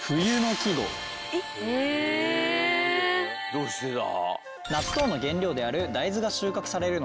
どうしてだ？